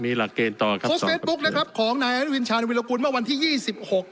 มีหลักเกณฑ์ต่อครับโพสต์เฟซบุ๊คนะครับของนายอนุญชาญวิรากุลเมื่อวันที่ยี่สิบหก